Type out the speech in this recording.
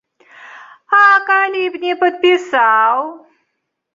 А калі б не падпісаў?